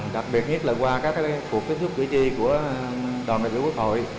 đặc biệt nhất là qua các cuộc kết thúc cử tri của đoàn đại tử quốc hội